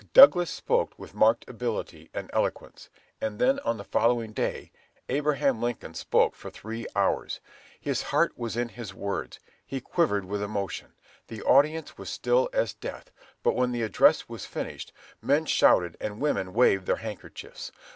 Douglas spoke with marked ability and eloquence, and then on the following day, Abraham Lincoln spoke for three hours. His heart was in his words. He quivered with emotion. The audience were still as death, but when the address was finished, men shouted and women waved their handkerchiefs.